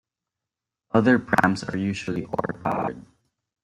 Other prams are usually oar powered.